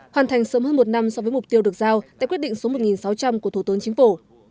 hoàn thành sớm hơn một năm so với mục tiêu được giao tại quyết định số một sáu trăm linh của thủ tướng chính phủ